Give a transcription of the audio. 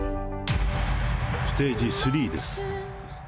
ステージ３です。